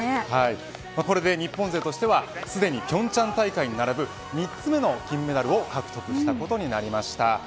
これで日本勢としてはすでに平昌大会に並ぶ３つ目の金メダルを獲得したことになりました。